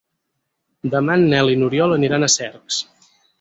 Demà en Nel i n'Oriol aniran a Cercs.